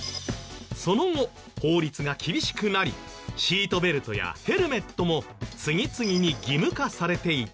その後法律が厳しくなりシートベルトやヘルメットも次々に義務化されていったんです。